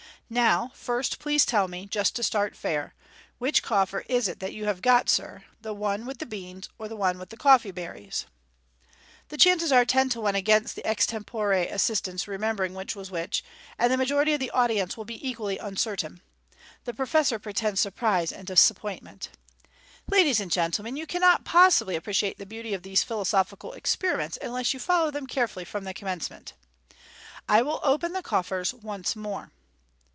Now, first please tell me, just to start fair, which coffer is it that you have got, sir, the one with the beans, or the one with the coffee berries ?" The chances are ten to one against the extempore assistants remembering which was which, and the majority of the audience will be equally uncertain. The professor pretends surprise and disappointment. "Ladies and gentlemen, you cannot possibly appreciate the beauty of these philosophical experiments unless you follow them carefully from the commencement. I will open the coffers once more."